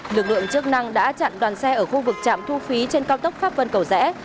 lực lượng chức năng đã chặn đoàn xe ở khu vực trạm thu phí trên cao tốc pháp vân cầu rẽ